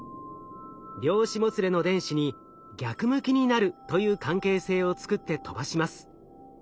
量子もつれの電子に逆向きになるという関係性を作って飛ばします。